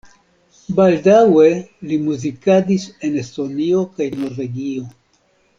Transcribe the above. Baldaŭe li muzikadis en Estonio kaj Norvegio.